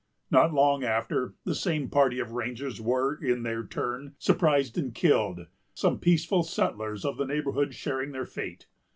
Not long after, the same party of Rangers were, in their turn, surprised and killed, some peaceful settlers of the neighborhood sharing their fate.